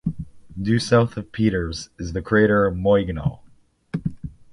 Due south of Peters is the crater Moigno.